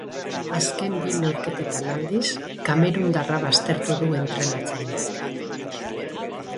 Azken bi neurketetan aldiz, kamerundarra baztertu du entrenatzaileak.